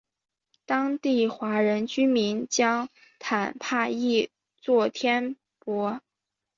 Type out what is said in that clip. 当地华人居民将坦帕译作天柏。